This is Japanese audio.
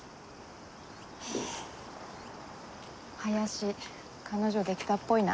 林彼女できたっぽいな。